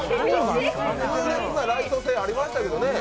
痛烈なライト線ありましたけどね。